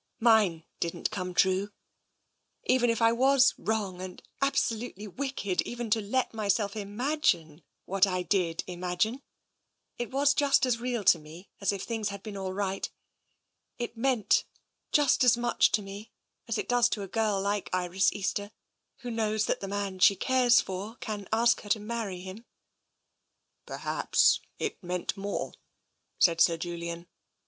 Mine didn't come true. Even if I was wrong and absolutely wicked even to let myself imagine what I did imagine, it was just as real to me as if things had been all right. It meant just as much to me as it does to a girl like Iris Easter, who knows that the man she cares for can ask her to marry him." " Perhaps it meant more," said Sir Julian.